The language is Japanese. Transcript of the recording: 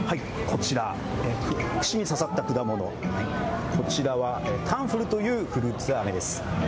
串に刺さった果物、こちらはタンフルというフルーツあめです。